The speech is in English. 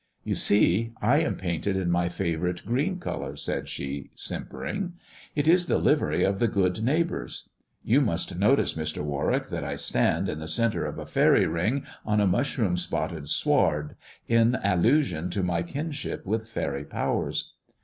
You see I am painted in my favourite green colour," said she, simpering ;" it is the livery of the good neighbours. You must notice, Mr. Warwick, that I stand in the centre of a faery ring on a mushroom spotted sward, in allusion to my kinship with faery powers.